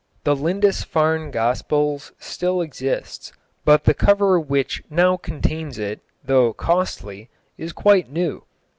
The Lindisfarne Gospels still exists, but the cover which now contains it, though costly, is quite new.